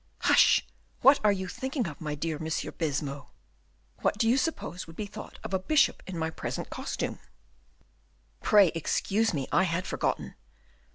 "Hush! What are you thinking of, my dear M. Baisemeaux? What do you suppose would be thought of a bishop in my present costume?" "Pray, excuse me, I had forgotten.